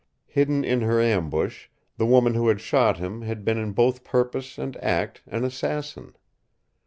Hidden in her ambush, the woman who had shot him had been in both purpose and act an assassin.